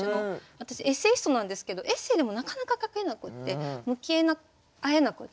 私エッセイストなんですけどエッセーでもなかなか書けなくて向き合えなくって。